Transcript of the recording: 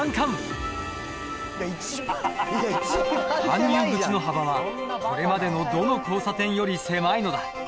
搬入口の幅はこれまでのどの交差点より狭いのだ。